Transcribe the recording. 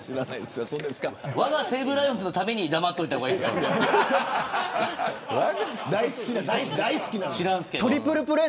わが西武ライオンズのために黙っておいた方がいいですよ。